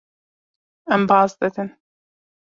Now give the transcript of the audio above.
Em baz didin.